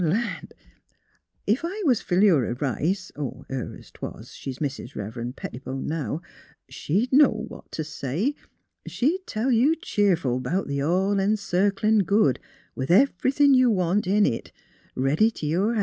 Land! ef I was Philura Rice — her 'twas; she's Mis' Rev'ren' Pettibone, now — she'd know what t' say. She'd tell you cheerful 'bout th' All En circlin' Good, with everythin' you want in it, ready t' your han'.